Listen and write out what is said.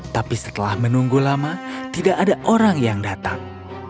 tapi setelah menunggu lama tidak ada orang yang datang